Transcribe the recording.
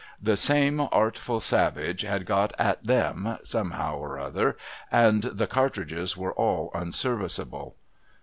The same artful savage had got at them, somehow or another, and the cartridges were all unserviceable.